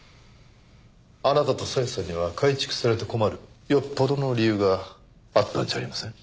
あなたと小枝さんには改築されて困るよっぽどの理由があったんじゃありません？